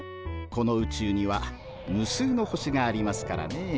この宇宙には無数の星がありますからねえ。